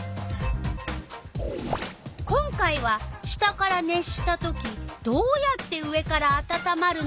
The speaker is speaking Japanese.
今回は「下から熱したときどうやって上からあたたまるのか？」